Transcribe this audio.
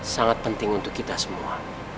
sangat penting untuk kita semua